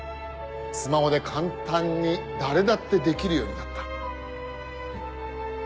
スマホで簡単に誰だってできるようになった。